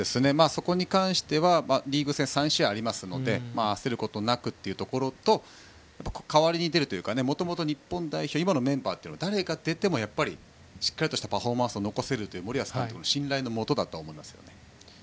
そこに関してはリーグ戦、３試合あるので焦ることなくというところと代わりに出るというかもともと今の日本代表は誰が出てもしっかりしたパフォーマンスを残せるという森保監督の信頼のもとだと思います。